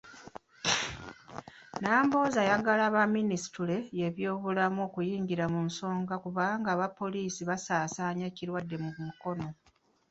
Nambooze ayagala aba Minisitule y'ebyobulamu okuyingira mu nsonga kubanga abapoliisi baasaasaanya ekirwadde mu Mukono.